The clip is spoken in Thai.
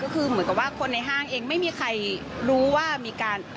คือเหมือนกับว่าคนในห้างเองไม่มีใครรู้ว่ามีการ